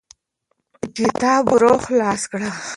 کتاب ورو خلاص کړه.